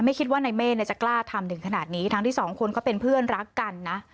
คิดว่าในเมฆจะกล้าทำถึงขนาดนี้ทั้งที่สองคนก็เป็นเพื่อนรักกันนะ